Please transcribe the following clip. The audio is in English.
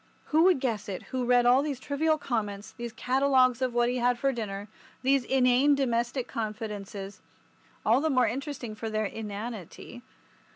Who would guess it who read all these trivial comments, these catalogues of what he had for dinner, these inane domestic confidences—all the more interesting for their inanity!